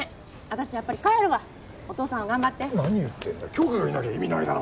私やっぱり帰るわお父さんは頑張って何言ってんだ